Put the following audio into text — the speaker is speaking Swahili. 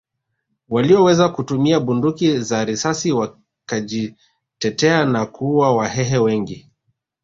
Walioweza kutumia bunduki za risasi wakajitetea na kuua Wahehe wengi